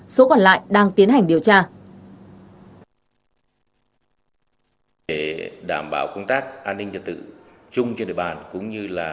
số còn lại đang tiến hành điều tra